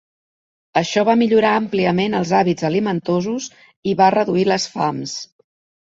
Això va millorar àmpliament els hàbits alimentosos i va reduir les fams.